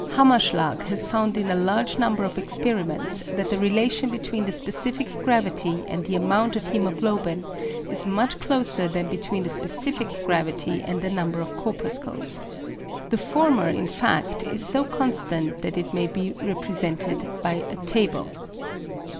Hammerschlag has found in a large number of experiments that the relation between the specific gravity and the amount of hæmoglobin is much closer than between the specific gravity and the number of corpuscles. The former in fact is so constant that it may be represented by a table.